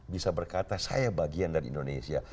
bisa berkata saya bagian dari indonesia